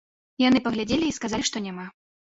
Яны паглядзелі і сказалі, што няма.